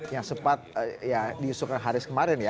yang sempat diusulkan haris kemarin